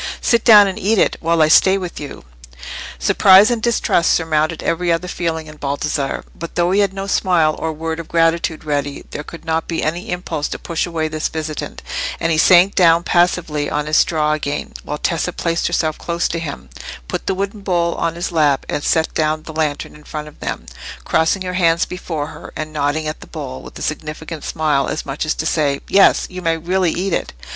"Sit down and eat it, while I stay with you." Surprise and distrust surmounted every other feeling in Baldassarre, but though he had no smile or word of gratitude ready, there could not be any impulse to push away this visitant, and he sank down passively on his straw again, while Tessa placed herself close to him, put the wooden bowl on his lap, and set down the lantern in front of them, crossing her hands before her, and nodding at the bowl with a significant smile, as much as to say, "Yes, you may really eat it."